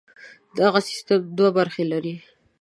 دغه سیستم دوې برخې لري.